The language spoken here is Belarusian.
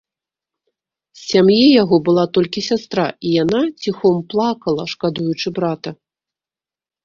З сям'і яго была толькі сястра, і яна ціхом плакала, шкадуючы брата.